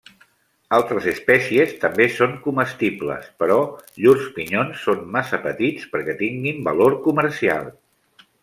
Altres espècies també són comestibles però llurs pinyons són massa petits perquè tinguin valor comercial.